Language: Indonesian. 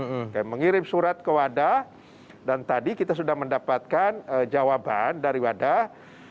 oke mengirim surat ke wadah dan tadi kita sudah mendapatkan jawaban dari wadah